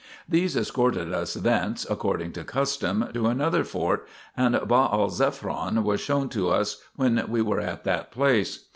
These escorted us thence, according to custom, to another fort, and Baal zephon 3 was shown to us, when we were at that place.